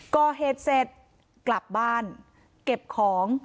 ก่อเหตุเสร็จกลับบ้านเก็บของ